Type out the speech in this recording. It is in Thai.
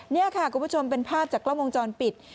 นี่ค่ะคุณผู้ชมเป็นภาพจากกล้องวงจรปิด